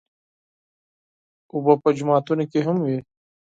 اوبه په جوماتونو کې هم وي.